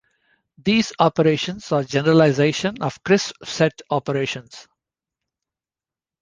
These operations are generalization of crisp set operations.